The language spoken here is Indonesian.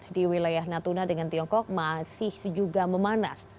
di wilayah natuna dengan tiongkok masih juga memanas